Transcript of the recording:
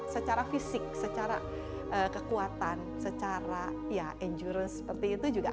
secara fisik secara kekuatan secara ya endurance seperti itu juga